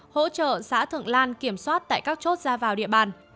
hỗ trợ xã thượng lan kiểm soát tại các chốt ra vào địa bàn